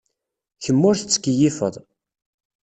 Kemm ur tettkeyyifed.